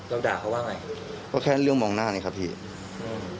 ด่าเขาว่าไงก็แค่เรื่องมองหน้านี่ครับพี่อืม